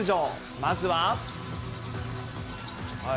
まずは。